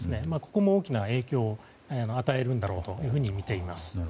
ここも大きな影響を与えるんだろうとみています。